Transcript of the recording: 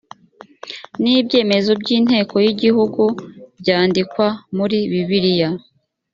n ibyemezo by inteko y igihugu byandikwa muri bibiliya